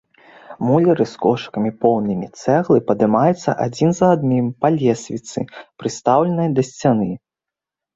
Муляры з кошыкамі, поўнымі цэглы падымаюцца адзін за адным па лесвіцы, прыстаўленай да сцяны.